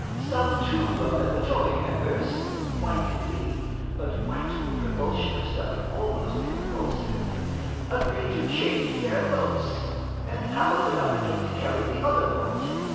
Some two of the Potomac members (White and Lee, but White with a revulsion of stomach almost convulsive) agreed to change their votes, and Hamilton undertook to carry the other point.